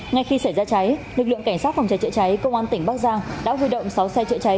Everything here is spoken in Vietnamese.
ngay khi xảy ra cháy lực lượng cảnh sát phòng cháy chữa cháy công an tỉnh bắc giang đã huy động sáu xe chữa cháy